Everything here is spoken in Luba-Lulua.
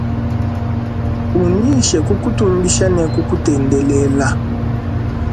Unyishe kukutumbisha ne kukutendela.